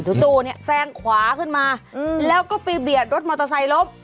จู่เนี่ยแซงขวาขึ้นมาแล้วก็ไปเบียดรถมอเตอร์ไซค์ล้ม